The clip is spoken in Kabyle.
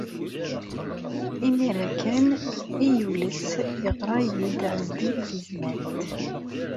Imir-a kan ay yules yeɣra-iyi-d Ɛezdin n Tezmalt.